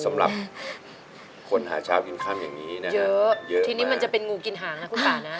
สำหรับคนหาเช้ากินค่ำอย่างนี้นะเยอะเยอะทีนี้มันจะเป็นงูกินหางนะคุณป่านะ